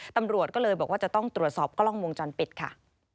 ตำรวจก็เลยบอกว่าจะต้องตรวจสอบกล้องวงจรปิดค่ะ